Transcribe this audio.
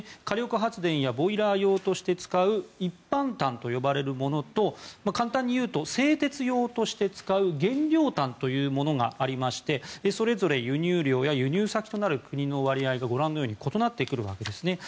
火力発電やボイラー用として使う一般炭と呼ばれるものと簡単に言うと製鉄用として使う原料炭というものがありましてそれぞれ輸入量や輸入先となる国の割合がご覧のとおり異なってくるわけです。